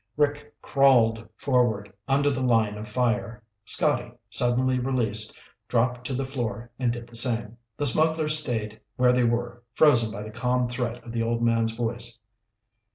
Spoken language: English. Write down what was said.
Rick crawled forward, under the line of fire. Scotty, suddenly released, dropped to the floor and did the same. The smugglers stayed where they were, frozen by the calm threat of the old man's voice.